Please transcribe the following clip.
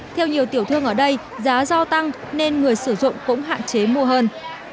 theo nhiều tiểu thương ở đây giá do tăng nên người sử dụng cũng hạn chế mua hơn